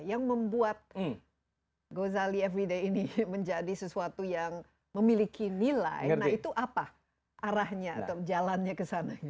yang membuat gozali everyday ini menjadi sesuatu yang memiliki nilai nah itu apa arahnya atau jalannya ke sana